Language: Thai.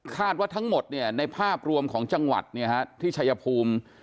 ว่าทั้งหมดในภาพรวมของจังหวัดที่ชายภูมิ